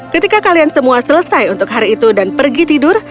ketika kalian semua selesai untuk hari itu dan pergi tidur